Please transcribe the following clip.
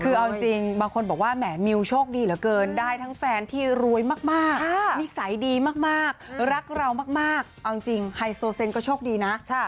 คือเอาจริงบางคนบอกว่าแหมมิวโชคดีเหลือเกินได้ทั้งแฟนที่รวยมากนิสัยดีมากรักเรามากเอาจริงไฮโซเซนก็โชคดีนะ